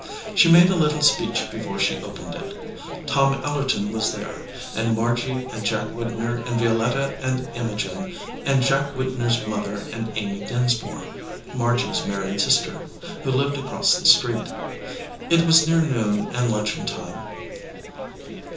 She made a little speech before she opened it. Tom Ellerton was there, and Margy and Jack Widner and Vio letta and Imogen, and Jack Widner s mother and Amy Dinsmore, Margy s married sister, who lived across the street. It was near noon and luncheon time.